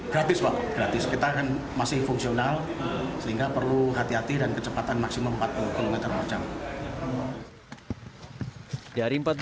gratis pak gratis kita kan masih fungsional sehingga perlu hati hati dan kecepatan maksimum empat puluh km per jam